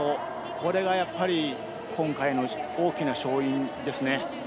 これが、やっぱり今回の大きな勝因ですね。